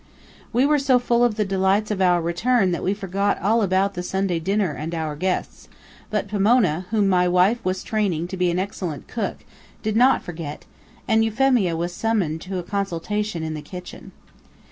We were so full of the delights of our return that we forgot all about the Sunday dinner and our guests, but Pomona, whom my wife was training to be an excellent cook, did not forget, and Euphemia was summoned to a consultation in the kitchen.